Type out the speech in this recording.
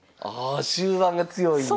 ああ終盤が強いんや。